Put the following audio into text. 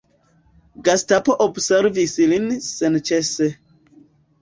Gestapo observis lin senĉese.